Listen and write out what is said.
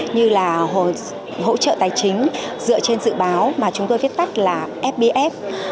như là hỗ trợ tài chính dựa trên dự báo mà chúng tôi viết tắt là fbf